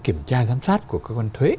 kiểm tra giám sát của cơ quan thuế